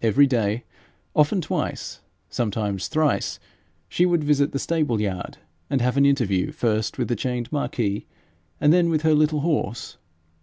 Every day, often twice, sometimes thrice, she would visit the stable yard, and have an interview first with the chained Marquis, and then with her little horse.